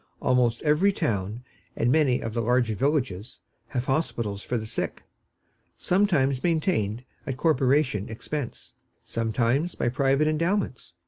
Almost every town, and many of the larger villages, have hospitals for the sick, sometimes maintained at corporation expense, sometimes by private endowments.